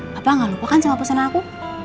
papa gak lupa kan sama pesan aku